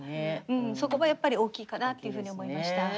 うんそこはやっぱり大きいかなっていうふうに思いました。